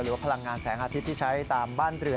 พลังงานแสงอาทิตย์ที่ใช้ตามบ้านเรือ